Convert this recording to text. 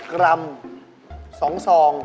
๑๕๐กรัมสองสอง